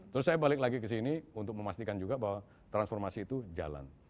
terus saya balik lagi ke sini untuk memastikan juga bahwa transformasi itu jalan